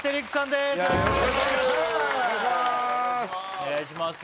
お願いします